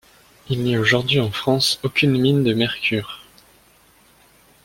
Il n'y a aujourd'hui en France aucune mine de mercure.